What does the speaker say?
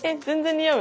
似合う？